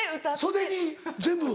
袖に全部？